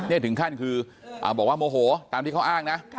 นี่ถึงขั้นคือบอกว่าโมโหตามที่เขาอ้างนะ